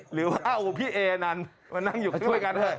หรือว่าเอาพี่เอนันต์มานั่งอยู่ก็ช่วยกันเถอ